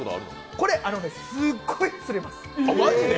これ、すっごい釣れます。